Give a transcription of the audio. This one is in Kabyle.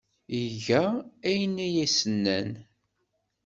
Iga ayen ay as-nnan.